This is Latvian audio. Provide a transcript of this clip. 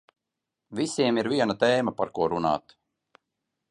Visiem ir viena tēma par ko runāt.